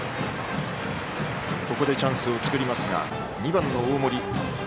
ここでチャンスを作りますが２番の大森。